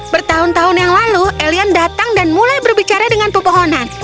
bertahun tahun yang lalu elian datang dan mulai berbicara dengan pepohonan